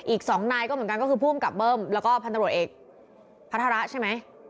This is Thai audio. อีก๒นายก็เหมือนกันก็คือผู้อำกับเบิ้มแล้วก็พันธบรวจเอกพัฒระใช่ไหม